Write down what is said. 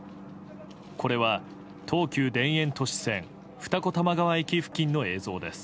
これは東急田園都市線二子玉川駅付近の映像です。